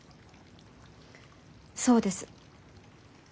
そうです。